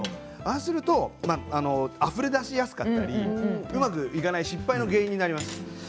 するとあふれ出しやすかったりうまくいかない失敗の原因になります。